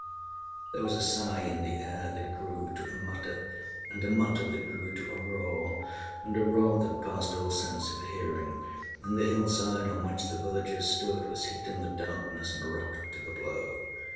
â There was a sigh in the air that grew to a mutter, and a mutter that grew to a roar, and a roar that passed all sense of hearing, and the hillside on which the villagers stood was hit in the darkness, and rocked to the blow.